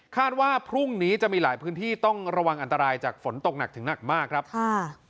ว่าพรุ่งนี้จะมีหลายพื้นที่ต้องระวังอันตรายจากฝนตกหนักถึงหนักมากครับค่ะ